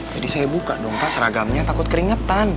jadi saya buka dong takut keringetan